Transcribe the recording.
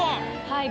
はい。